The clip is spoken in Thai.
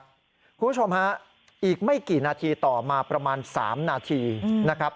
คุณผู้ชมฮะอีกไม่กี่นาทีต่อมาประมาณ๓นาทีนะครับ